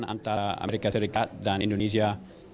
antara amerika serikat dan indonesia